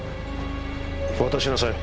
渡しなさい。